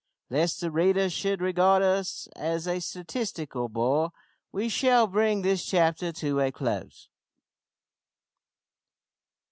Lest the reader should regard us as a statistical bore, we shall bring this chapter to a close.